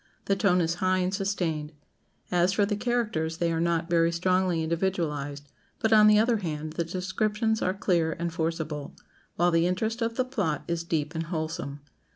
The tone is high and sustained. As for the characters, they are not very strongly individualized; but, on the other hand, the descriptions are clear and forcible, while the interest of the plot is deep and wholesome.